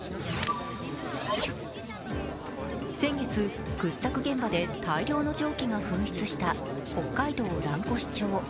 先月、掘削現場で大量の蒸気が噴出した北海道蘭越町。